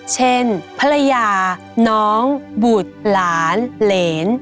เช่นภรรยาน้องบุตรหลานเหรน